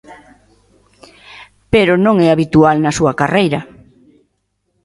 Pero non é habitual na súa carreira.